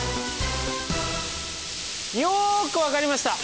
よく分かりました！